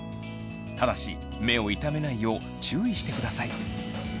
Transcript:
ただし目を痛めないよう注意してください。